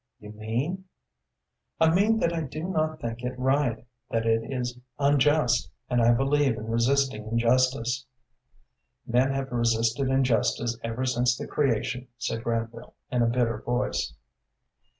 "You mean ?" "I mean that I do not think it right, that it is unjust, and I believe in resisting injustice." "Men have resisted injustice ever since the Creation," said Granville, in a bitter voice.